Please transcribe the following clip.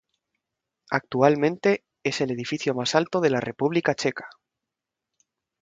Actualmente, es el edificio más alto de la República Checa.